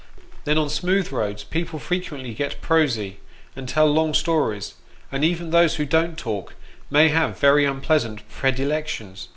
Then on smooth roads people frequently get prosy, and tell long stories, and even those who don't talk, may have very unpleasant predilections.